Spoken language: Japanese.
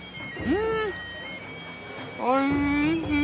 うん！